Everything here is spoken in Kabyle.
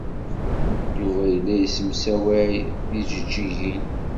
Yuba yella yessemsaway tijejjigin.